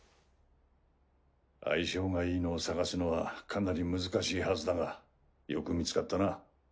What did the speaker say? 相性がいいのを探すのはかなり難しいはずだがよく見つかったな。